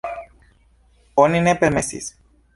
Oni ne permesis.